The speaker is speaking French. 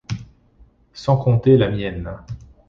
Sans compter la mienne.